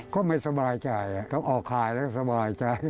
ก็ไม่สบายใจต้องออกคายแล้วสบายใจ